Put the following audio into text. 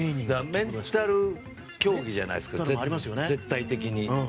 メンタル競技じゃないですか、絶対的に。